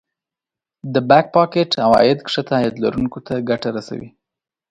د Back pocket عواید ښکته عاید لرونکو ته ګټه رسوي